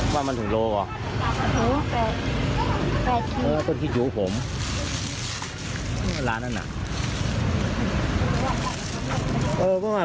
ว่ามันถึงโลอ่ะ